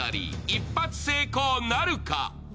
一発成功なるか？